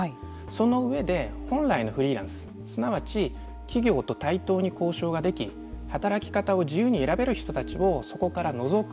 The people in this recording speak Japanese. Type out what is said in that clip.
その上で本来のフリーランスすなわち企業と対等に交渉ができ働き方を自由に選べる人たちをそこから除くという方法です。